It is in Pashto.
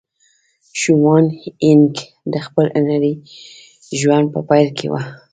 شومان هينک د خپل هنري ژوند په پيل کې وه.